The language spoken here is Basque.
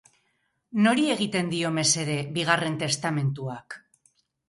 Nori egiten dio mesede bigarren testamentuak?